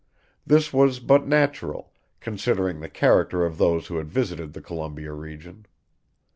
This was but natural, considering the character of those who had visited the Columbia region.